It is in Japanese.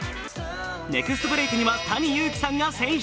ネクストブレークにはＴａｎｉＹｕｕｋｉさんが選出。